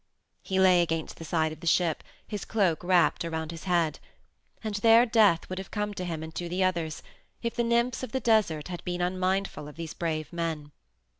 He lay against the side of the ship, his cloak wrapped around his head. And there death would have come to him and to the others if the nymphs of the desert had been unmindful of these brave men.